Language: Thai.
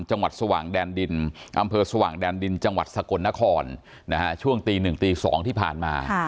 จังหวัดสว่างแดนดินอำเภอสว่างแดนดินจังหวัดสกลนครช่วงตี๑ตี๒ที่ผ่านมา